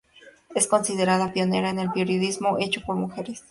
Es considerada pionera en el periodismo hecho por mujeres.